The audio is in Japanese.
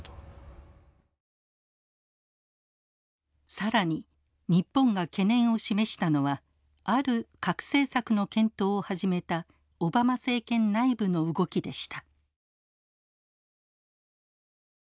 更に日本が懸念を示したのはある核政策の検討を始めたオバマ政権内部の動きでした。